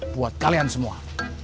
buat kalian semua